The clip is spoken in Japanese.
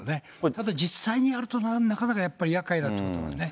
ただ、実際にやるとなるとなかなかやっぱりやっかいだということはね。